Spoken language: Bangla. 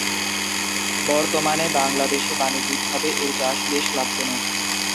বর্তমানে বাংলাদেশে বাণিজ্যিকভাবে এর চাষ বেশ লাভজনক।